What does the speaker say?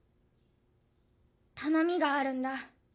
頼みがあるんだ。